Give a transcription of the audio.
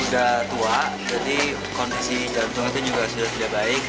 sudah tua jadi kondisi jantung itu juga sudah tidak baik